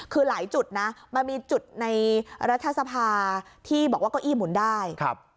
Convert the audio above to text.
คือหลายจุดนะมันมีจุดในรัฐสภาที่บอกว่าเก้าอี้หมุนได้ครับ